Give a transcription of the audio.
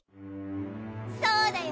そうだよ！